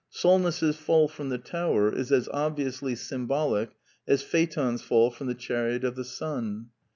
Solness's fall from the tower is as obviously symbolic as Phaeton's fall from the chariot of the sun.